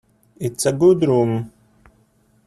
It's a good room!